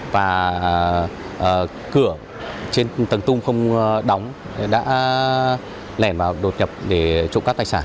và cửa trên tầng tung không đóng đã lẻn vào đột nhập để trộm các tài sản